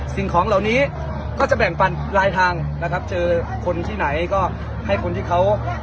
สิ่งของเหล่านี้ก็จะแบ่งปันลายทางนะครับเจอคนที่ไหนก็ให้คนที่เขา